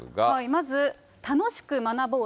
まず、楽しく学ぼう！